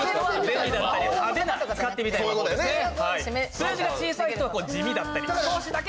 数字が小さいと地味だったり。